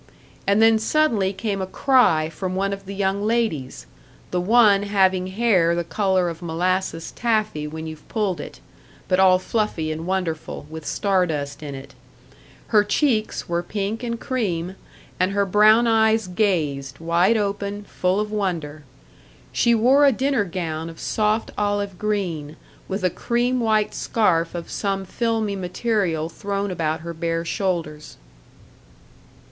And then suddenly came a cry from one of the young ladies; the one having hair the colour of molasses taffy when you've pulled it but all fluffy and wonderful, with stardust in it. Her cheeks were pink and cream, and her brown eyes gazed, wide open, full of wonder. She wore a dinner gown of soft olive green, with a cream white scarf of some filmy material thrown about her bare shoulders.